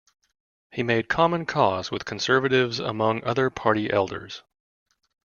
He made common cause with conservatives among other Party elders.